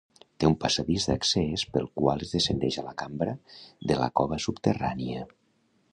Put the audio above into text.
Té un passadís d'accés pel qual es descendeix a la cambra de la cova subterrània.